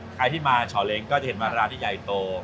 ใครที่มาเฉาะเล้งก็จะเห็นมาร้านที่ใยโต